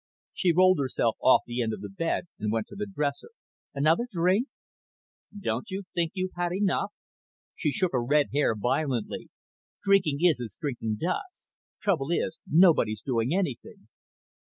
She rolled herself off the end of the bed and went to the dresser. "Another drink?" "Don't you think you've had enough?" She shook her red hair violently. "Drinking is as drinking does. Trouble is, nobody's doing anything."